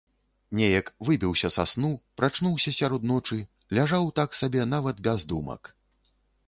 Неяк выбіўся са сну, прачнуўся сярод ночы, ляжаў так сабе, нават без думак.